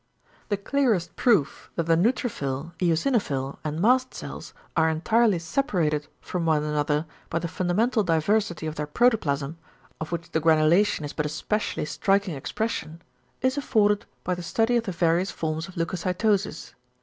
The clearest proof that the neutrophil, eosinophil, and mast cells are entirely separated from one another by the fundamental diversity of their protoplasm, of which the granulation is but a specially striking expression, is afforded by the study of the various forms of leucocytosis.